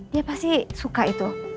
dia pasti suka itu